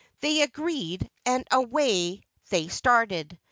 They agreed, and away they started.